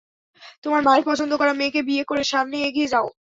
তোমার মায়ের পছন্দ করা মেয়েকে বিয়ে করে, সামনে এগিয়ে যাও।